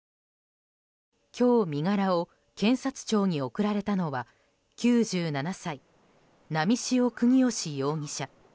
今日、身柄を検察庁に送られたのは９７歳波汐國芳容疑者。